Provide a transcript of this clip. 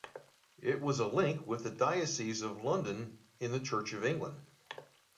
It has a link with the Diocese of London in the Church of England.